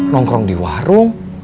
nongkrong di warung